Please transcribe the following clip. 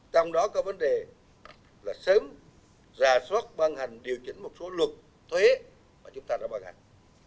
trong đó có vấn đề là sớm rà soát băng hành điều chỉnh một số luật thuế mà chúng ta đã băng hành